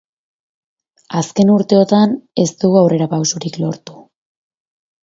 Azken urteotan ez dugu aurrerapausurik lortu.